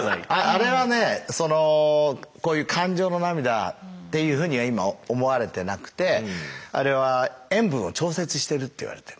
あれはねそのこういう感情の涙っていうふうには今思われてなくてあれは塩分を調節してるっていわれている。